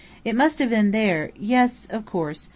It must have been there yes, of course.